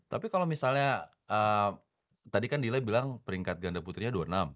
tapi kalau misalnya tadi kan dila bilang peringkat ganda putrinya dua puluh enam